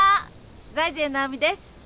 財前直見です。